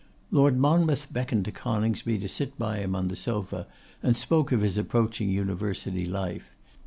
Lord Monmouth beckoned to Coningsby to sit by him on the sofa, and spoke of his approaching University life.